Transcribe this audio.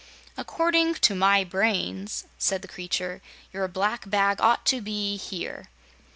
"According to my brains," said the creature, "your black bag ought to be here."